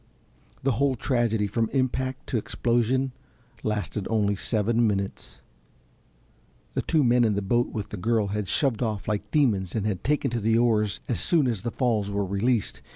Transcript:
The whole tragedy from impact to explosion lasted only seven minutes. The two men in the boat with the girl had shoved off like demons and taken to the oars as soon as the falls were released.